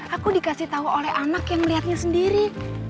aku dikasih tahu oleh anak yang melihatnya sendiri